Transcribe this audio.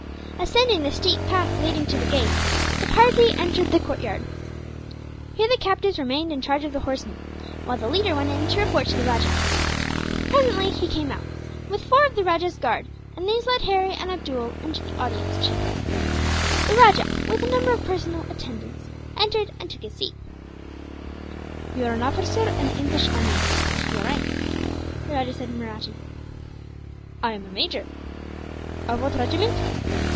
Ascending the steep path leading to the gate, the party entered the courtyard. Here the captives remained in charge of the horsemen, while the leader went in to report to the rajah. [Illustration: View of the Rajah's Palace, Bhurtpoor.] Presently he came out, with four of the rajah's guard, and these led Harry and Abdool into the audience chamber. The rajah, with a number of personal attendants, entered and took his seat. "You are an officer in the English army. What is your rank?" the rajah said in Mahratti. "I am a major." "Of what regiment?"